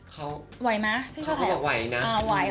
เขาบอกไหวนะ